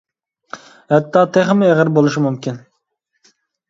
ھەتتا، تېخىمۇ ئېغىر بولۇشى مۇمكىن ئىدى.